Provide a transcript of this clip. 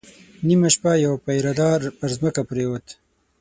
نيمه شپه يو پيره دار پر ځمکه پرېووت.